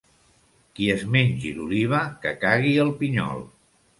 Qui es mengi l'oliva, que cagui el pinyol.